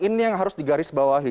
ini yang harus digarisbawahi